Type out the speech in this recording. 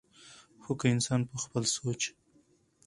خو کۀ انسان پۀ خپل سوچ